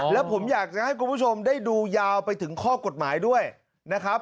แล้วผมอยากจะให้คุณผู้ชมได้ดูยาวไปถึงข้อกฎหมายด้วยนะครับ